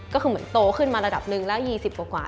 ก็คือเหมือนโตขึ้นมาระดับหนึ่งแล้ว๒๐กว่า